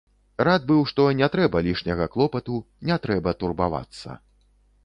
Рад быў, што не трэба лішняга клопату, не трэба турбавацца.